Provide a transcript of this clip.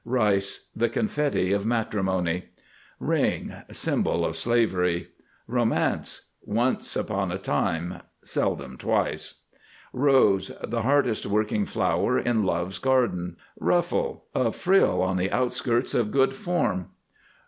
RICE. The confetti of matrimony. RING. Symbol of slavery. ROMANCE. Once upon a time. Seldom twice. ROSE. The hardest working flower in Love's Garden. RUFFLE. A frill on the outskirts of good form.